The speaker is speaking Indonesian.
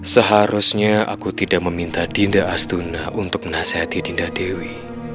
seharusnya aku tidak meminta dinda astuna untuk menasehati dinda dewi